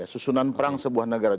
susunan perang sebuah negara